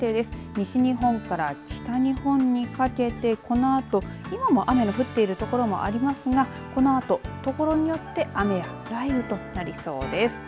西日本から北日本にかけてこのあと今も雨が降ってるところもありますがこのあと、ところによって雨や雷雨となりそうです。